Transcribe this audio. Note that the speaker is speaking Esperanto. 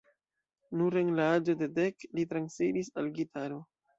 Nur en la aĝo de dek li transiris al gitaro.